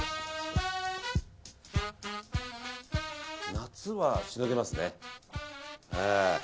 夏はしのげますね。